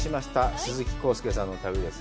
鈴木浩介さんの旅です。